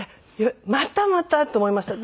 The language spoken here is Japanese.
またまたーと思いました。